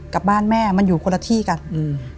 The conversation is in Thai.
กับบ้านแม่มันอยู่คนละที่กันอืม